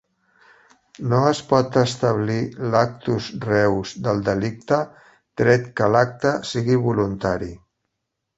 No es pot establir l'"actus reus" del delicte, tret que l'acte sigui voluntari.